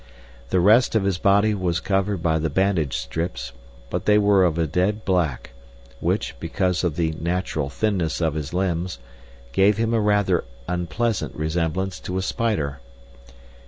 The rest of his body was covered by the bandage strips, but they were of a dead black, which, because of the natural thinness of his limbs, gave him a rather unpleasant resemblance to a spider.